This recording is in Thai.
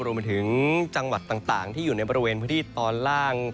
รวมไปถึงจังหวัดต่างที่อยู่ในบริเวณพื้นที่ตอนล่าง